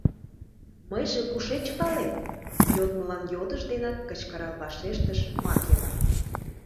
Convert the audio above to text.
— Мыйже кушеч палем? — йодмылан йодыш денак кычкырал вашештыш Макева.